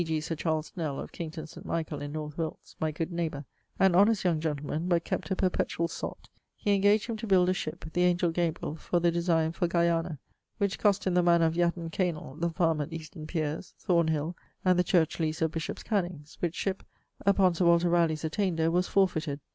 g. Sir Charles Snell, of Kington Saint Michael in North Wilts, my good neighbour, an honest young gentleman but kept a perpetuall sott, he engaged him to build a ship (the Angel Gabriel) for the designe for Guiana, which cost him the mannor of Yatton Keynell, the farme at Easton Piers, Thornhill, and the church lease of Bishops Cannings; which ship, upon Sir Walter Raleigh's attainder, was forfeited.